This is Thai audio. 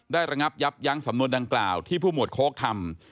ระงับยับยั้งสำนวนดังกล่าวที่ผู้หมวดโค้กทำ